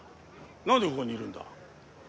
何でここにいるんだ？